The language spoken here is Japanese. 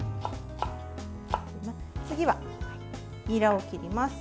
次は、にらを切ります。